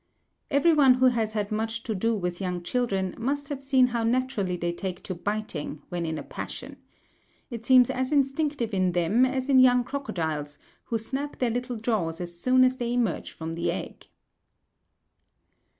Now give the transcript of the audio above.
Every one who has had much to do with young children must have seen how naturally they take to biting, when in a passion. It seems as instinctive in them as in young crocodiles, who snap their little jaws as soon as they emerge from the egg.